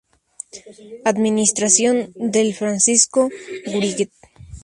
Administración del Francisco Wright.